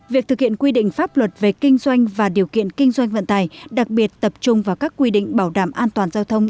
việc thực hiện quy định pháp luật về kinh doanh và điều kiện kinh doanh vận tải đặc biệt tập trung vào các quy định bảo đảm an toàn giao thông